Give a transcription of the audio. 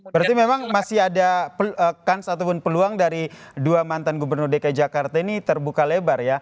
berarti memang masih ada kans ataupun peluang dari dua mantan gubernur dki jakarta ini terbuka lebar ya